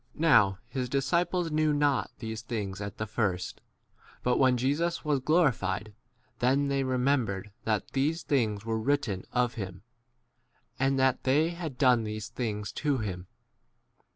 Now 1 his disciples knew not these things at the first ; but when Jesus was glorified, then they remembered that these things were written of him, and that they had done these l ? things to him.